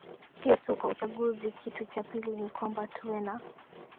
siyo tu kwa uchaguzi kitu cha pili ni kwamba tuwe na